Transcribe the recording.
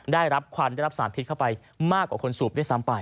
ได้รับควันได้รับสารพิษเข้าไปมากกว่าคนสูบด้วยซ้ำไป